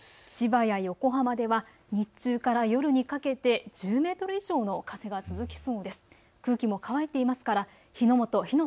千葉や横浜では日中から夜にかけて１０メートル以上の風が続きそうです。